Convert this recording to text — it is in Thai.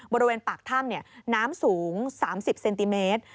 บริเวณปากถ้ำน้ำสูง๓๐เซนติเมตร